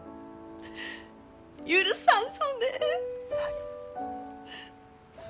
許さんぞね。